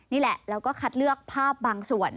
นี่แหละแล้วก็คัดเลือกภาพบางส่วน